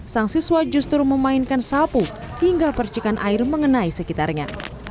sang siswa justru memainkan sapu hingga percikan air mengenai sekitarnya